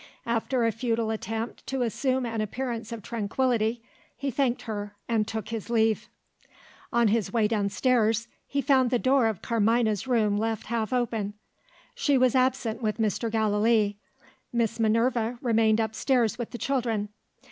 After a futile attempt to assume an appearance of tranquillity he thanked her and took his leave. On his way downstairs, he found the door of Carmina's room left half open. She was absent with Mr. Gallilee. Miss Minerva remained upstairs with the children.